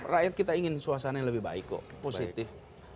rakyat kita ingin suasana yang lebih baik kok positif